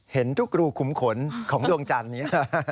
เห็นทุกรูขุมขนของดวงจันทร์นี้